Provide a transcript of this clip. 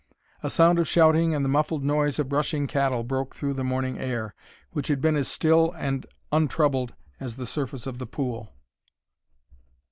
A sound of shouting and the muffled noise of rushing cattle broke through the morning air, which had been as still and untroubled as the surface of the pool.